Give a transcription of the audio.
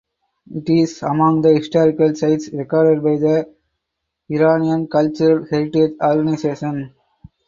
It is among the historical sites recorded by the Iranian Cultural Heritage Organization.